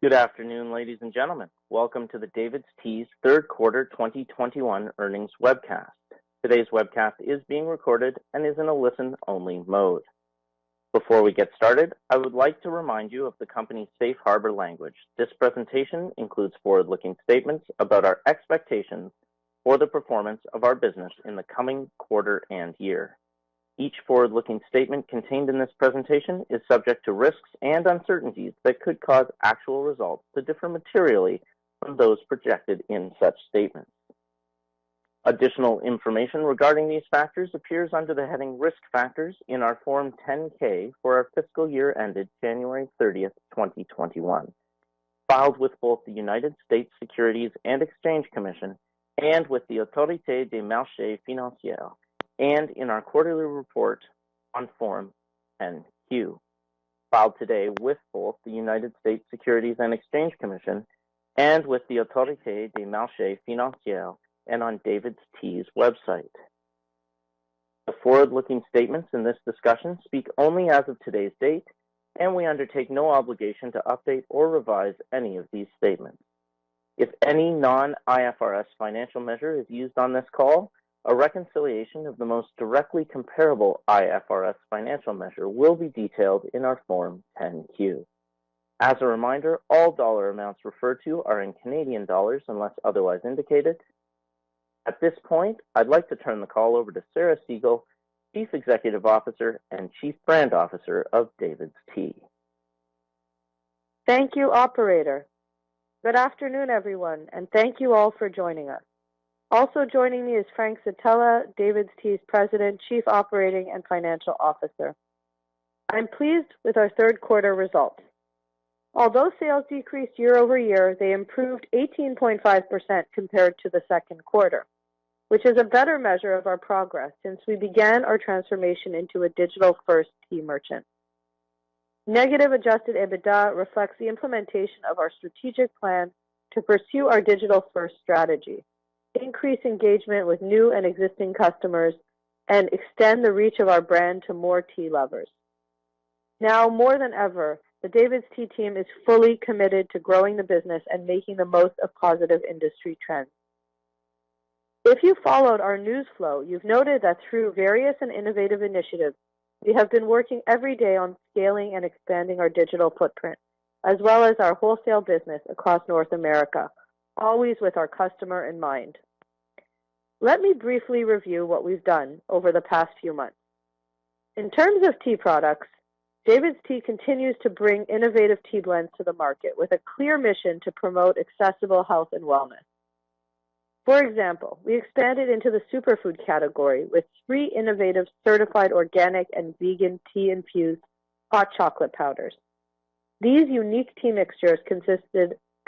Good afternoon, ladies and gentlemen. Welcome to the DAVIDsTEA's Q3 2021 earnings webcast. Today's webcast is being recorded and is in a listen-only mode. Before we get started, I would like to remind you of the company's safe harbor language. This presentation includes forward-looking statements about our expectations for the performance of our business in the coming quarter and year. Each forward-looking statement contained in this presentation is subject to risks and uncertainties that could cause actual results to differ materially from those projected in such statements. Additional information regarding these factors appears under the heading Risk Factors in our Form 10-K for our fiscal year ended January 30, 2021, filed with both the United States Securities and Exchange Commission and with the Autorité des marchés financiers, and in our quarterly report on Form 10-Q, filed today with both the United States Securities and Exchange Commission and with the Autorité des marchés financiers, and on DAVIDsTEA's website. The forward-looking statements in this discussion speak only as of today's date, and we undertake no obligation to update or revise any of these statements. If any non-IFRS financial measure is used on this call, a reconciliation of the most directly comparable IFRS financial measure will be detailed in our Form 10-Q. As a reminder, all dollar amounts referred to are in Canadian dollars unless otherwise indicated. At this point, I'd like to turn the call over to Sarah Segal, Chief Executive Officer and Chief Brand Officer of DAVIDsTEA. Thank you, operator. Good afternoon, everyone, and thank you all for joining us. Also joining me is Frank Zitella, DAVIDsTEA's President, Chief Operating and Financial Officer. I'm pleased with our Q3 results. Although sales decreased year-over-year, they improved 18.5% compared to the Q2, which is a better measure of our progress since we began our transformation into a digital-first tea merchant. Negative adjusted EBITDA reflects the implementation of our strategic plan to pursue our digital-first strategy, increase engagement with new and existing customers, and extend the reach of our brand to more tea lovers. Now more than ever, the DAVIDsTEA team is fully committed to growing the business and making the most of positive industry trends. If you followed our news flow, you've noted that through various and innovative initiatives, we have been working every day on scaling and expanding our digital footprint, as well as our wholesale business across North America, always with our customer in mind. Let me briefly review what we've done over the past few months. In terms of tea products, DAVIDsTEA continues to bring innovative tea blends to the market with a clear mission to promote accessible health and wellness. For example, we expanded into the superfood category with three innovative certified organic and vegan tea-infused hot chocolate powders. These unique tea mixtures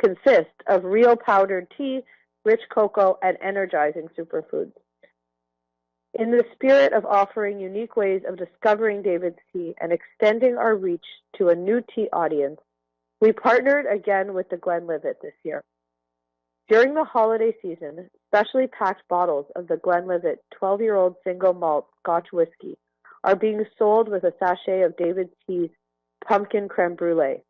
consist of real powdered tea, rich cocoa, and energizing superfoods. In the spirit of offering unique ways of discovering DAVIDsTEA and extending our reach to a new tea audience, we partnered again with The Glenlivet this year. During the holiday season, specially packed bottles of The Glenlivet 12-year-old single malt Scotch whisky are being sold with a sachet of DAVIDsTEA Pumpkin Crème Brûlée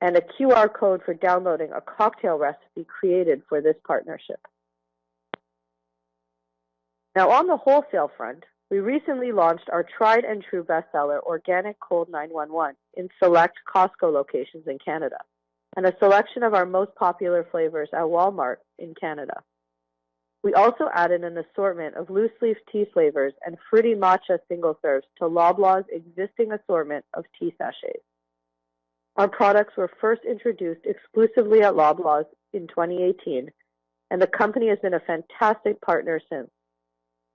and a QR code for downloading a cocktail recipe created for this partnership. Now, on the wholesale front, we recently launched our tried and true bestseller, Organic Cold 911 in select Costco locations in Canada and a selection of our most popular flavors at Walmart in Canada. We also added an assortment of loose leaf tea flavors and fruity matcha single serves to Loblaws' existing assortment of tea sachets. Our products were first introduced exclusively at Loblaws in 2018, and the company has been a fantastic partner since.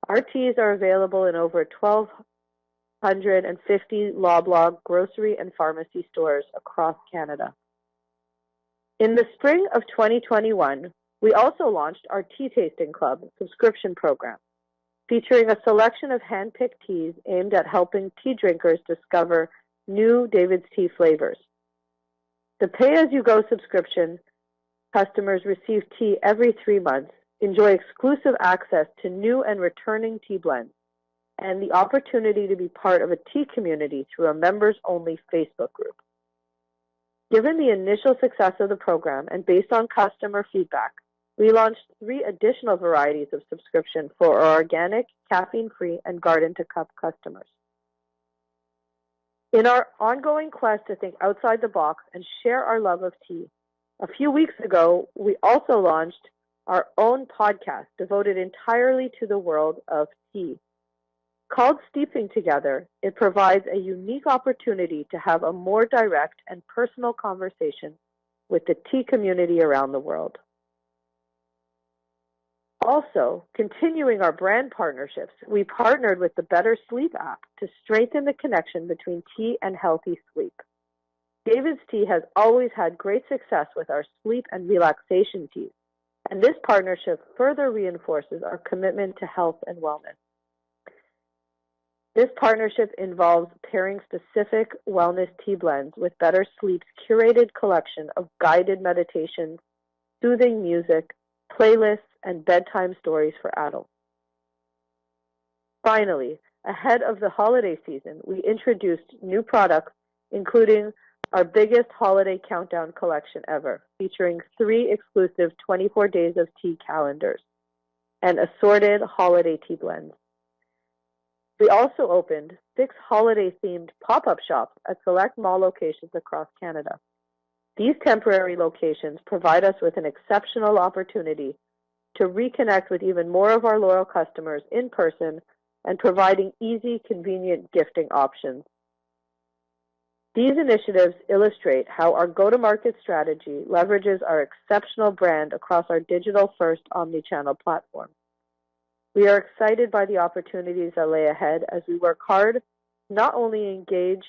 Our teas are available in over 1,250 Loblaws grocery and pharmacy stores across Canada. In the spring of 2021, we also launched our Tea Tasting Club subscription program, featuring a selection of handpicked teas aimed at helping tea drinkers discover new DAVIDsTEA flavors. The pay-as-you-go subscription customers receive tea every three months, enjoy exclusive access to new and returning tea blends, and the opportunity to be part of a tea community through a members-only Facebook group. Given the initial success of the program and based on customer feedback, we launched three additional varieties of subscription for our organic, caffeine-free, and Garden to Cup customers. In our ongoing quest to think outside the box and share our love of tea, a few weeks ago, we also launched our own podcast devoted entirely to the world of tea. Called Steeping Together, it provides a unique opportunity to have a more direct and personal conversation with the tea community around the world. Continuing our brand partnerships, we partnered with the BetterSleep app to strengthen the connection between tea and healthy sleep. DAVIDsTEA has always had great success with our sleep and relaxation teas, and this partnership further reinforces our commitment to health and wellness. This partnership involves pairing specific wellness tea blends with BetterSleep's curated collection of guided meditations, soothing music, playlists, and bedtime stories for adults. Finally, ahead of the holiday season, we introduced new products, including our biggest holiday countdown collection ever, featuring three exclusive 24 days of tea calendars and assorted holiday tea blends. We also opened six holiday-themed pop-up shops at select mall locations across Canada. These temporary locations provide us with an exceptional opportunity to reconnect with even more of our loyal customers in person and providing easy, convenient gifting options. These initiatives illustrate how our go-to-market strategy leverages our exceptional brand across our digital-first omni-channel platform. We are excited by the opportunities that lay ahead as we work hard to not only engage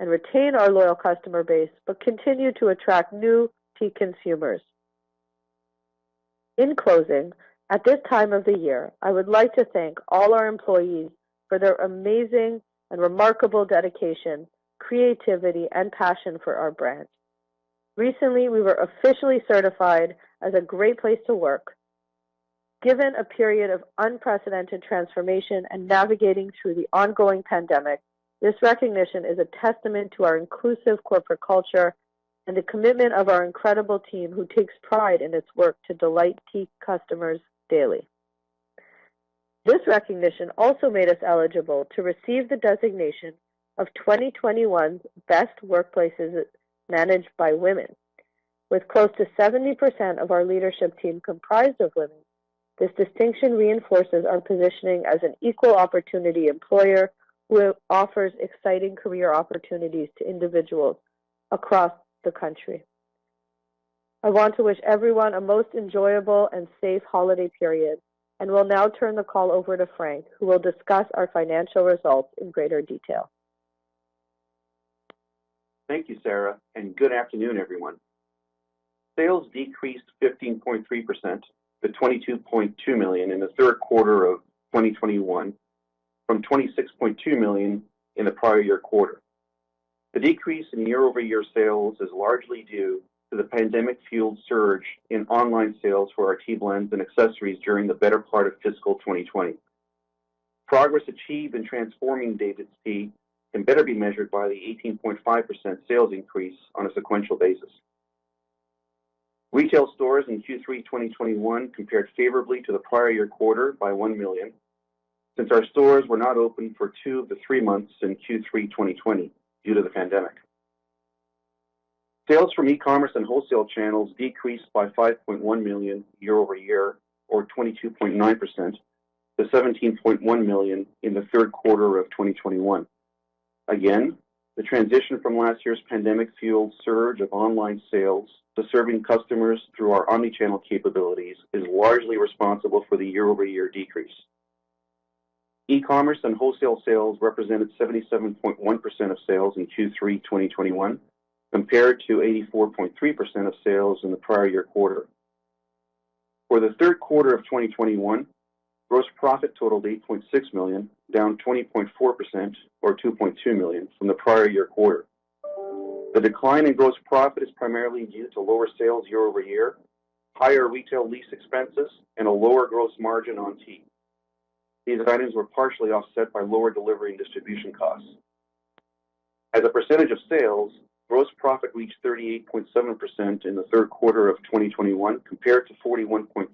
and retain our loyal customer base but continue to attract new tea consumers. In closing, at this time of the year, I would like to thank all our employees for their amazing and remarkable dedication, creativity, and passion for our brand. Recently, we were officially certified as a Great Place to Work. Given a period of unprecedented transformation and navigating through the ongoing pandemic, this recognition is a testament to our inclusive corporate culture and the commitment of our incredible team, who takes pride in its work to delight tea customers daily. This recognition also made us eligible to receive the designation of 2021's Best Workplaces Managed by Women. With close to 70% of our leadership team comprised of women, this distinction reinforces our positioning as an equal opportunity employer who offers exciting career opportunities to individuals across the country. I want to wish everyone a most enjoyable and safe holiday period and will now turn the call over to Frank, who will discuss our financial results in greater detail. Thank you, Sarah, and good afternoon, everyone. Sales decreased 15.3% to 22.2 million in the Q3 of 2021 from 26.2 million in the prior year quarter. The decrease in year-over-year sales is largely due to the pandemic fueled surge in online sales for our tea blends and accessories during the better part of fiscal 2020. Progress achieved in transforming DAVIDsTEA can better be measured by the 18.5% sales increase on a sequential basis. Retail stores in Q3 2021 compared favorably to the prior year quarter by 1 million since our stores were not open for two of the three months in Q3 2020 due to the pandemic. Sales from e-commerce and wholesale channels decreased by 5.1 million year over year or 22.9% to 17.1 million in the Q3 of 2021. The transition from last year's pandemic fueled surge of online sales to serving customers through our omni-channel capabilities is largely responsible for the year-over-year decrease. E-commerce and wholesale sales represented 77.1% of sales in Q3 2021 compared to 84.3% of sales in the prior year quarter. For the Q3 of 2021, gross profit totaled 8.6 million, down 20.4% or 2.2 million from the prior year quarter. The decline in gross profit is primarily due to lower sales year over year, higher retail lease expenses, and a lower gross margin on tea. These items were partially offset by lower delivery and distribution costs. As a percentage of sales, gross profit reached 38.7% in the Q3 of 2021 compared to 41.3%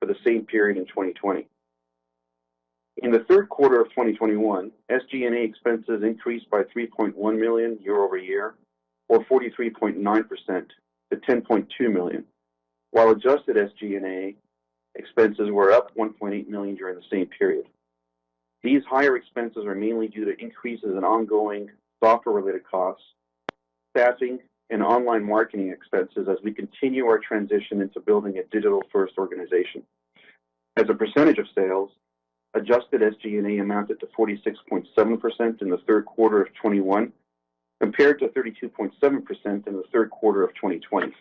for the same period in 2020. In the Q3 of 2021, SG&A expenses increased by 3.1 million year-over-year or 43.9% to 10.2 million while adjusted SG&A expenses were up 1.8 million during the same period. These higher expenses are mainly due to increases in ongoing software-related costs, staffing, and online marketing expenses as we continue our transition into building a digital-first organization. As a percentage of sales, adjusted SG&A amounted to 46.7% in the Q3 of 2021 compared to 32.7% in the Q3 of 2020.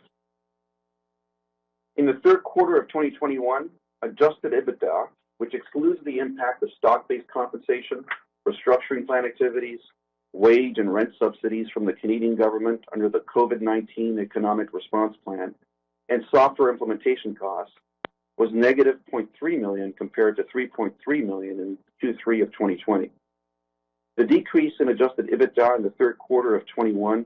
In the Q3 of 2021, adjusted EBITDA, which excludes the impact of stock-based compensation, restructuring plan activities, wage and rent subsidies from the Canadian government under the COVID-19 economic response plan, and software implementation costs, was -0.3 million compared to 3.3 million in Q3 of 2020. The decrease in adjusted EBITDA in the Q3 of 2021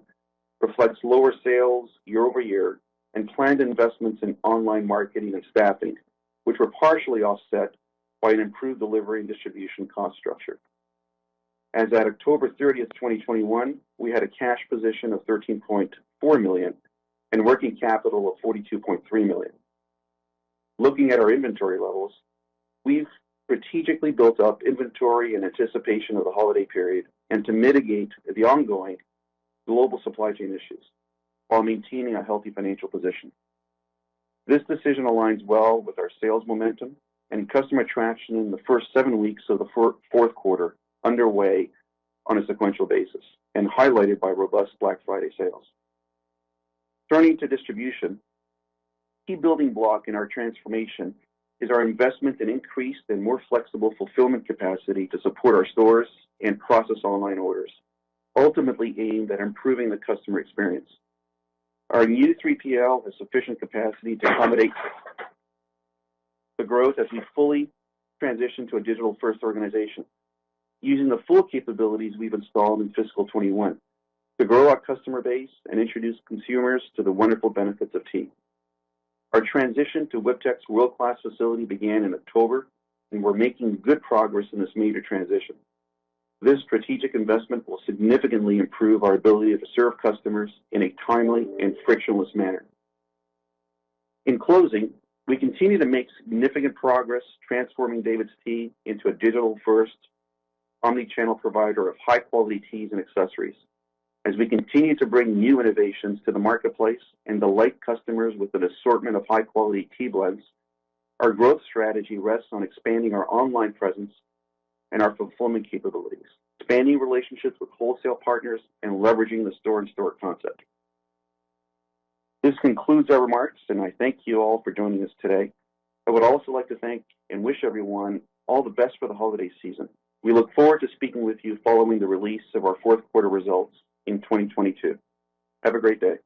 reflects lower sales year-over-year and planned investments in online marketing and staffing, which were partially offset by an improved delivery and distribution cost structure. As at October 30, 2021, we had a cash position of 13.4 million and working capital of 42.3 million. Looking at our inventory levels, we've strategically built up inventory in anticipation of the holiday period and to mitigate the ongoing global supply chain issues while maintaining a healthy financial position. This decision aligns well with our sales momentum and customer traction in the first seven weeks of the Q4 underway on a sequential basis and highlighted by robust Black Friday sales. Turning to distribution, key building block in our transformation is our investment in increased and more flexible fulfillment capacity to support our stores and process online orders, ultimately aimed at improving the customer experience. Our new 3PL has sufficient capacity to accommodate the growth as we fully transition to a digital-first organization using the full capabilities we've installed in fiscal 2021 to grow our customer base and introduce consumers to the wonderful benefits of tea. Our transition to WIPTEC's world-class facility began in October, and we're making good progress in this major transition. This strategic investment will significantly improve our ability to serve customers in a timely and frictionless manner. In closing, we continue to make significant progress transforming DAVIDsTEA into a digital-first omni-channel provider of high-quality teas and accessories. As we continue to bring new innovations to the marketplace and delight customers with an assortment of high-quality tea blends, our growth strategy rests on expanding our online presence and our fulfillment capabilities, expanding relationships with wholesale partners, and leveraging the store-in-store concept. This concludes our remarks, and I thank you all for joining us today. I would also like to thank and wish everyone all the best for the holiday season. We look forward to speaking with you following the release of ourQ4 results in 2022. Have a great day.